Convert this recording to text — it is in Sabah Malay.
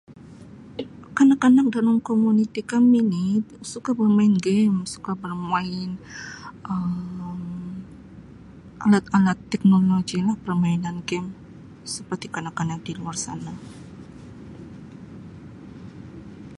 Kanak-kanak dalam komuniti kami ini suka bermain game, suka bermain Um alat-alat teknologi lah seperti permainan game seperti kanak-kanak di luar sana.